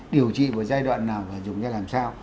điều trị một giai đoạn nào và dùng ra làm sao